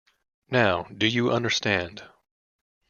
Now, do you understand?